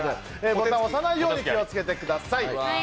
ボタンを押さないように気をつけてください。